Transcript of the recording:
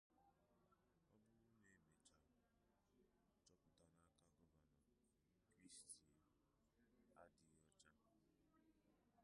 Ọ bụrụ na E mecha chọpụta n’aka Gọvanọ Christie adịghị ọcha